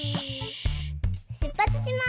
しゅっぱつします！